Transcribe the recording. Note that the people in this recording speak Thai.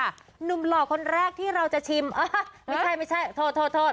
หนุ่มหล่อคนแรกที่เราจะชิมไม่ใช่โทษ